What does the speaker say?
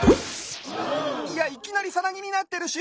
いやいきなりさなぎになってるし！